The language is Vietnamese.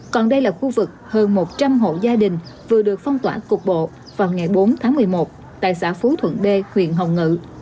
còn đây là khu vực hơn một trăm linh hộ gia đình vừa được phong tỏa cục bộ vào ngày bốn tháng một mươi một tại xã phú thuận b huyện hồng ngự